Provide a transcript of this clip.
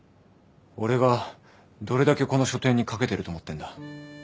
俺がどれだけこの書展にかけてると思ってんだ。